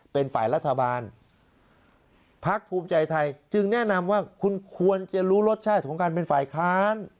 เป็นฝ่ายรัฐบาลพักภูมิใจไทยจึงแนะนำว่าคุณควรจะรู้รสชาติของการเป็นฝ่ายค้าน